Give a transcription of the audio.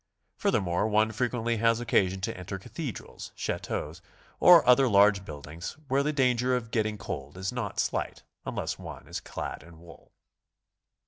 Fur thermore, one frequently 'has occasion to enter 'Cathedrals, chateaux or other large buildings where the danger of get ting cold is not slight unless one is clad in wool.